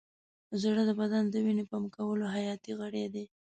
زړه د بدن د وینې پمپ کولو حیاتي غړی دی.